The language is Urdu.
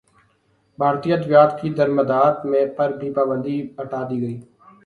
بھارتی ادویات کی درمدات پر پابندی ہٹادی گئی